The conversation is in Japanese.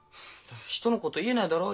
人のこと言えないだろ。